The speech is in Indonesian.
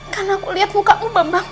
kan aku liat mukamu bambang